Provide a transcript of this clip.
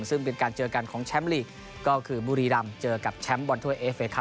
ซึ่งเป็นการเจอกันของแชมป์ลีกก็คือบุรีรำเจอกับแชมป์บอลถ้วยเอฟเคครับ